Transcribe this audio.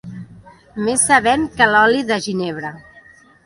Més sabent que l'oli de ginebre.